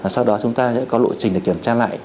sau đó chúng ta sẽ có lộ trình để kiểm tra lại